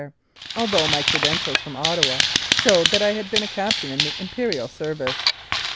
although my credentials from Ottawa showed that I had been a captain in the Imperial Service.